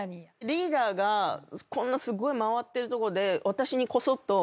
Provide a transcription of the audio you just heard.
リーダーがこんなすごい回ってるとこで私にこそっと。